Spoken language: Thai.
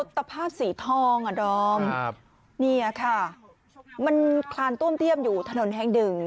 ตะภาพสีทองอ่ะดอมเนี่ยค่ะมันคลานต้วมเตี้ยมอยู่ถนนแห่งหนึ่ง